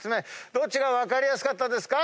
どっちが分かりやすかったですか？